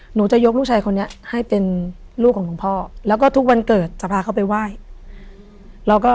หนูจะยกลูกชายคนนี้ให้เป็นลูกของหลวงพ่อแล้วก็ทุกวันเกิดจะพาเขาไปไหว้แล้วก็